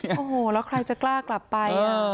โอ้โหแล้วใครจะกล้ากลับไป